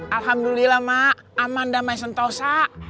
alhamdulillah ma amanda maisentosa